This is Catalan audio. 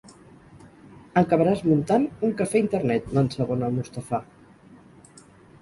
Acabaràs muntant un cafè Internet—l'ensabona el Mustafà.